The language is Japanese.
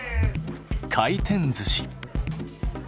回転ずし。